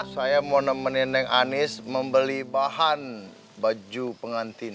saya mau nemenin neng anies membeli bahan baju pengantin